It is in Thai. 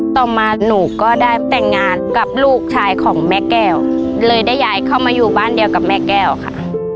ต่อมาหนูก็ได้แต่งงานกับลูกชายของแม่แก้วเลยได้ย้ายเข้ามาอยู่บ้านเดียวกับแม่แก้วค่ะ